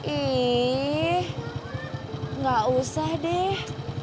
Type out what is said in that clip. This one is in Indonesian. ih gak usah deh